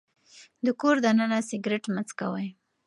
د کور دننه سګرټ مه څکوئ.